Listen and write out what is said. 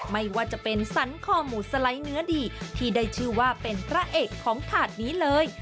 ไม่ว่าจะเป็นสันคอหมูสไลด์เนื้อดีที่ได้ชื่อว่าเป็นพระเอกของถาดนี้เลย